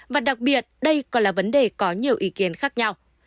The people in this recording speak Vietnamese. và đặc biệt đây còn là vấn đề có nhiều ý kiến khác nhau